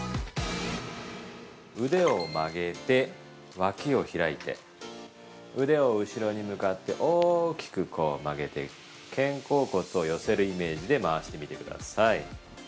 ◆腕を曲げて、脇を開いて腕を後ろに向かって大きく曲げて肩甲骨を寄せるイメージで回してみてください。